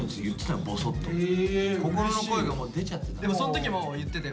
心の声がもう出ちゃってた。